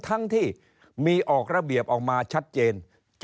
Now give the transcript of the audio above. ทั้งที่มีออกระเบียบออกมาชัดเจน